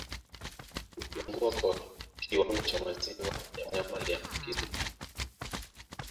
Kupungua kwa kiwango cha maziwa ya mnyama aliyeambukizwa